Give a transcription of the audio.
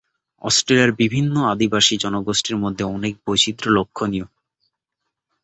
অস্ট্রেলিয়ার বিভিন্ন আদিবাসী জনগোষ্ঠীর মধ্যে অনেক বৈচিত্র্য লক্ষনীয়।